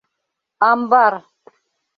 Амбар!..